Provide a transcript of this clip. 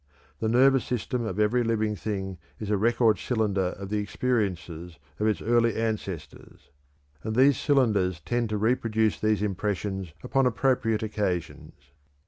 The nervous system of every living thing is a record cylinder of the experiences of its early ancestors, and these cylinders tend to reproduce these impressions upon appropriate occasions.